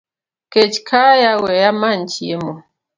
.kech kaya wee amany chiemo